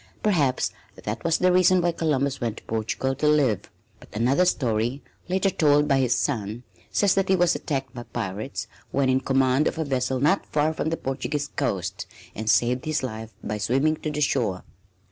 Perhaps that was the reason why Columbus went to Portugal to live. But another story, later told by his son, says that he was attacked by pirates when in command of a vessel not far from the Portuguese coast, and saved his life by swimming to the shore.